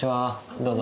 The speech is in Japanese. どうぞ。